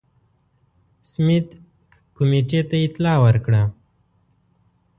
سمیت کمېټې ته اطلاع ورکړه.